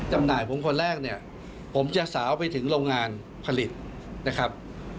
จำหน่ายผมคนแรกเนี่ยผมจะสาวไปถึงโรงงานผลิตนะครับ